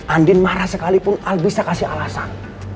andin marah sekalipun al bisa kasih alasan